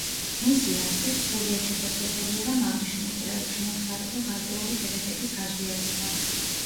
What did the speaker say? მისი აზრით, სრულიად შესაძლებელია, რომ აღნიშნულ კვლევებში მომხდარიყო გარკვეული შედეგების გაზვიადება.